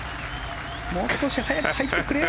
もう少し早く入ってくれよ。